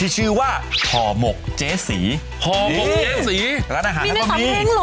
เจ๋สีร้านอาหารรับบี้